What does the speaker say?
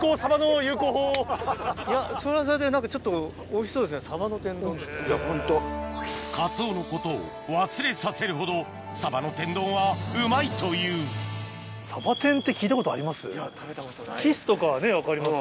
・いやホント・カツオのことを忘れさせるほどサバの天丼はうまいというサバ天って聞いたことあります？